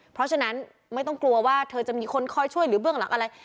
เพราะฉะนั้นไม่ต้องกลัวว่าเธอจะมีคนคอยช่วยหรือเบื้องหลังอะไร